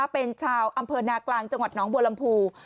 เป็นชาวอำเภอนากลางจังหวัดน้องบัวลำพู